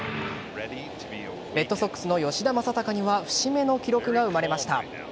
レッドソックスの吉田正尚には節目の記録が生まれました。